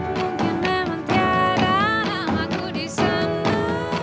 mungkin memang tiada namaku disana